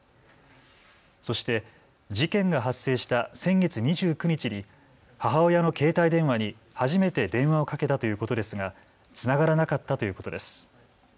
そして事件が発生した先月２９日に母親の携帯電話に初めて電話をかけたということですがつながらなかったということです。